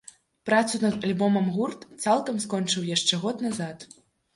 Працу над альбомам гурт цалкам скончыў яшчэ год назад.